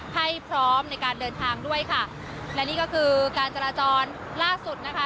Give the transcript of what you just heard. ให้พร้อมในการเดินทางด้วยค่ะและนี่ก็คือการจราจรล่าสุดนะคะ